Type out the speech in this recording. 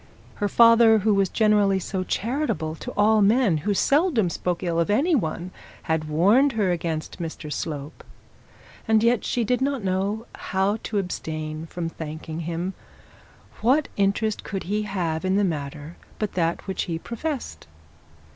Her father, who was generally charitable to all men, who seldom spoke ill of any one, had warned against Mr Slope, and yet she did not know how to abstain from thanking him. What interest could he have in the matter but that which he professed?